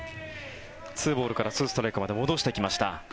２ボールから２ストライクまで戻してきました。